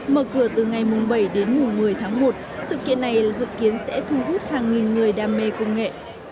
mở cửa từ ngày bảy đến một mươi tháng một sự kiện này dự kiến sẽ thu hút hàng nghìn người đam mê công nghệ